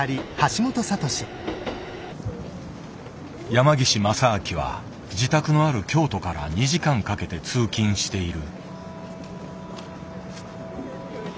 山岸正明は自宅のある京都から２時間かけて通勤している。